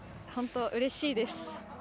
本当、うれしいです。